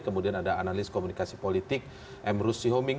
kemudian ada analis komunikasi politik emrus sihoming